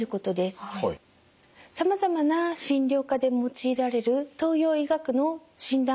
さまざまな診療科で用いられる東洋医学の診断